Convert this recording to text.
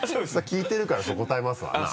聞いてるからそう答えますわな。